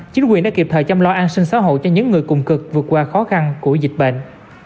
chính quyền đã kịp thời chăm lo an sinh xã hội cho những người cùng cực vượt qua khó khăn của dịch bệnh